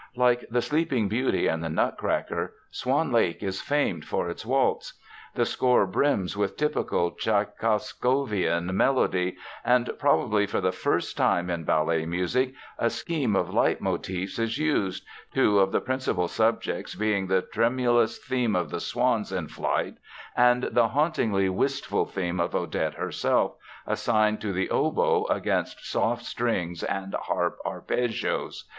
Like The Sleeping Beauty and The Nutcracker, Swan Lake is famed for its waltz. The score brims with typical Tschaikowskyan melody, and probably for the first time in ballet music a scheme of leitmotifs is used, two of the principal subjects being the tremulous theme of the swans in flight and the hauntingly wistful theme of Odette herself, assigned to the oboe against soft strings and harp arpeggios.